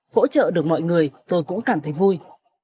hỗ trợ được mọi người tôi cũng cảm thấy vui